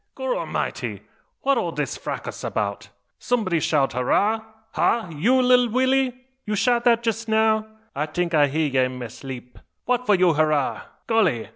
"Gorramity! What all dis fracas 'bout? Someb'dy shout `Hurrah?' Ha! you, lilly Willy? you shout dat jess now? I tink I hear ye in ma 'leep. What for you hurrah? Golly!